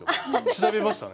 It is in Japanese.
調べましたね！